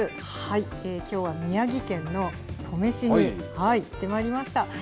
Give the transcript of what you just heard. きょうは宮城県の登米市に行ってまいりました。